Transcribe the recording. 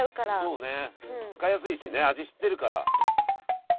そうね使いやすいしね味知ってるから。